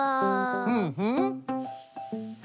ふんふん。